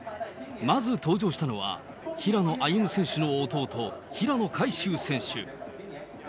まず登場したのは、平野歩夢選手の弟、平野海祝選手。